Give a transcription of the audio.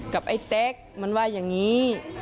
ไอ้แต๊กมันว่าอย่างนี้